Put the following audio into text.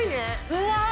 うわ！